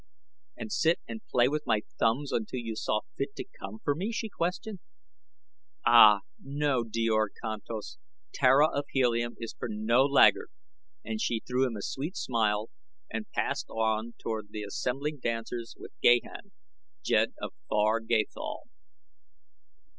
"And sit and play with my thumbs until you saw fit to come for me?" she questioned. "Ah, no, Djor Kantos; Tara of Helium is for no laggard," and she threw him a sweet smile and passed on toward the assembling dancers with Gahan, Jed of far Gathol.